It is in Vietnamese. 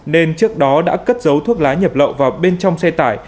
nên trước đó đã cất giấu thuốc lá nhập lậu vào bên trong xe tải